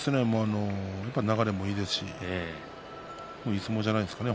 流れもいいですしいい相撲じゃないですかね